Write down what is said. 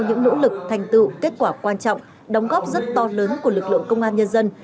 những nỗ lực thành tựu kết quả quan trọng đóng góp rất to lớn của lực lượng công an nhân dân